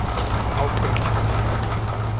autêntica